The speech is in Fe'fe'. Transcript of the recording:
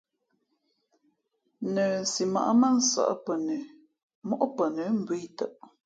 Nəsimα̌ʼ mά nsᾱʼ pαnə móʼ pαnə̌ mbōh ī tαʼ.